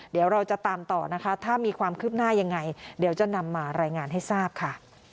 เดี๋ยวเราจะตามต่อนะคะถ้ามีความคืบหน้ายังไงเดี๋ยวจะนำมารายงานให้ทราบค่ะ